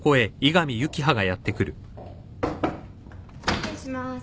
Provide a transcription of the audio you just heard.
・・失礼します。